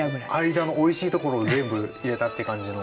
間のおいしいところを全部入れたって感じの。